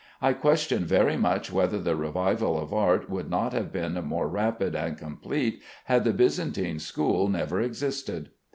I question very much whether the revival of art would not have been more rapid and complete had the Byzantine school never existed.